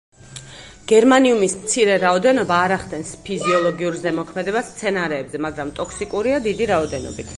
გერმანიუმის მცირე რაოდენობა არ ახდენს ფიზიოლოგიურ ზემოქმედებას მცენარეებზე, მაგრამ ტოქსიკურია დიდი რაოდენობით.